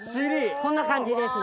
こんな感じですね。